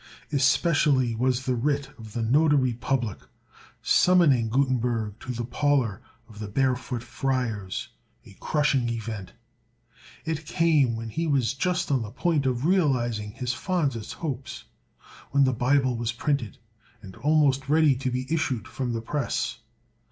Especially was the writ of the notary public, summoning Gutenberg to the parlor of the Barefoot Friars, a crushing event. It came when he was just on the point of realizing his fondest hopes, when the Bible was printed, and almost ready to be issued from the press.